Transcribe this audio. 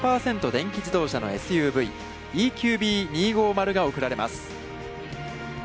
電気自動車のＳＵＶ、ＥＱＢ２５０が贈られます。